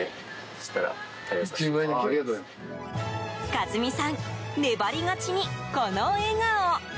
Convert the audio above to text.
一美さん、粘り勝ちにこの笑顔。